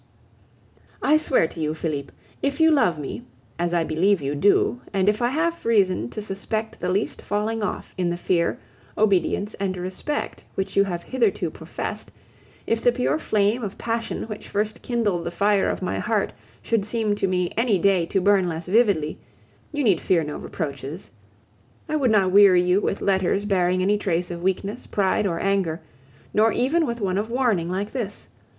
I swear to you, Felipe, if you love me, as I believe you do and if I have reason to suspect the least falling off in the fear, obedience, and respect which you have hitherto professed, if the pure flame of passion which first kindled the fire of my heart should seem to me any day to burn less vividly, you need fear no reproaches. I would not weary you with letters bearing any trace of weakness, pride, or anger, nor even with one of warning like this.